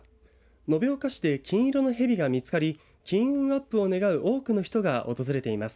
延岡市で、金色のヘビが見つかり金運アップを願う多くの人が訪れています。